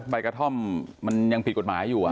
ใบกระท่อมมันยังผิดกฎหมายอยู่